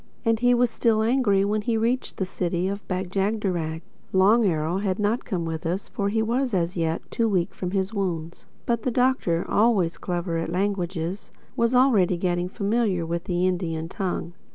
And he was still angry when he reached the City of Bag jagderag. Long Arrow had not come with us for he was as yet too weak from his wound. But the Doctor—always clever at languages—was already getting familiar with the Indian tongue.